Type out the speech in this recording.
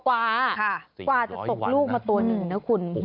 กว่าจะตกลูกมาตัวหนึ่งนะคุณ